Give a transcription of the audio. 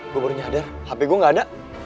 gua baru nyadar hp gua gak ada